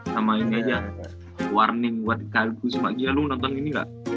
sama ini aja warning buat kk kusuma gila lu nonton ini gak